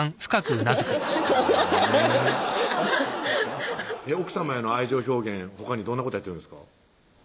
すごいねぇ奥さまへの愛情表現ほかにどんなことやってるんですか？